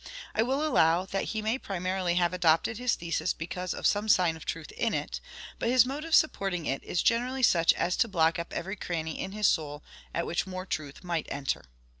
I will allow that he may primarily have adopted his thesis because of some sign of truth in it, but his mode of supporting it is generally such as to block up every cranny in his soul at which more truth might enter.